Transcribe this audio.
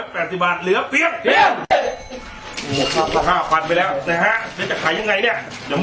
มันคว้างหนึ่งกิโลครับ